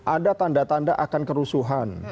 ada tanda tanda akan kerusuhan